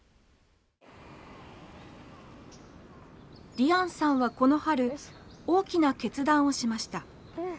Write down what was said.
璃杏さんはこの春大きな決断をしました。